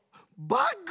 バッグ？